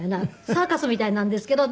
サーカスみたいなんですけど。